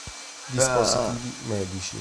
Dispositivi medici.